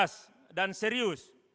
untuk memujukkan kemampuan kita